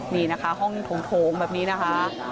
นี่นะคะห้องโถงแบบนี้นะคะ